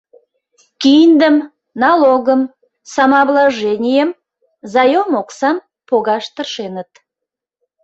Киндым, налогым, самообложенийым, заём оксам погаш тыршеныт.